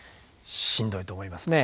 しんどいと思いますね。